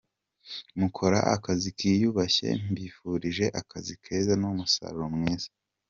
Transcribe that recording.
Mukora akazi kiyubashye mbifurije akazi keza , n’umusaruro mwiza.